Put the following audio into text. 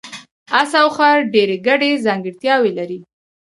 اس او خر ډېرې ګډې ځانګړتیاوې لري.